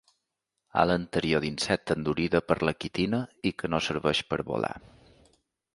Ala anterior d'insecte endurida per la quitina i que no serveix per volar.